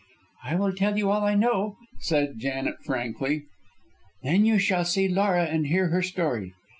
"I will tell you all I know," said Janet, frankly, "then you shall see Laura and hear her story."